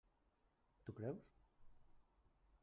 Tu creus?